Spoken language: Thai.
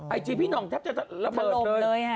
ไอจีพี่หน่องแทบจะระเบิดเลย